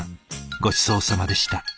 ごちそうさまでした。